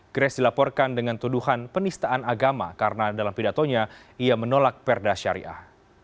grace dilaporkan dengan tuduhan penistaan agama karena dalam pidatonya ia menolak perda syariah